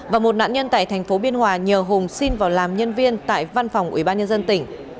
và một nạn nhân tại thành phố biên hòa nhờ hùng xin vào làm nhân viên tại văn phòng ubnd tỉnh